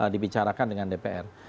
dibicarakan dengan dpr